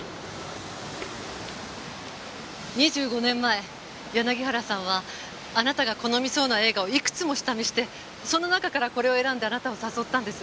２５年前柳原さんはあなたが好みそうな映画をいくつも下見してその中からこれを選んであなたを誘ったんです。